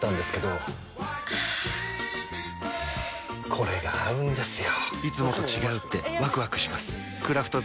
これが合うんですよ！